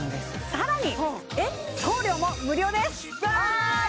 さらに送料も無料ですああ